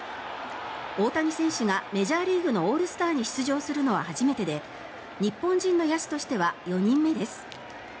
大谷選手がメジャーリーグのオールスターに出場するのは初めてで日本人の野手としては４人目です。